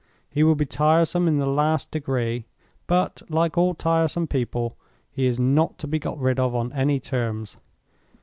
He will be tiresome in the last degree; but, like all tiresome people, he is not to be got rid of on any terms.